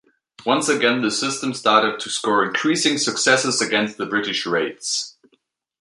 Once again the system started to score increasing successes against the British raids.